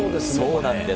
そうなんです。